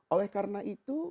oleh karena itu